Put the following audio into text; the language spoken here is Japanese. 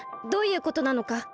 どういうことなのか。